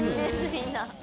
みんな。